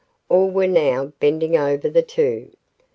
All were now bending over the two.